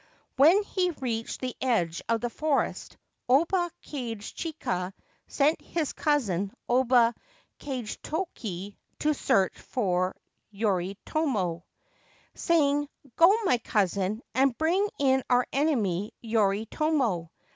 When he reached the edge of the forest, Oba Kage chika sent his cousin Oba Kagetoki to search for Yoritomo, saying: c Go, my cousin, and bring in our enemy Yoritomo.